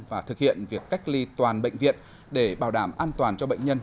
và thực hiện việc cách ly toàn bệnh viện để bảo đảm an toàn cho bệnh nhân